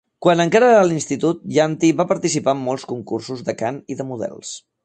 Quan encara era a l'institut, Yanti va participar en molts concursos de cant i de models.